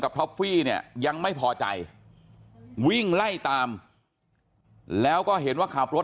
ท็อฟฟี่เนี่ยยังไม่พอใจวิ่งไล่ตามแล้วก็เห็นว่าขับรถ